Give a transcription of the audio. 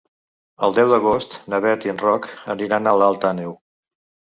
El deu d'agost na Bet i en Roc aniran a Alt Àneu.